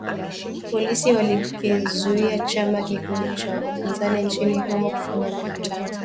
Polisi walikizuia chama kikuu cha upinzani nchini humo kufanya mikutano